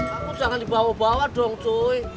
aku jangan dibawa bawa dong cuy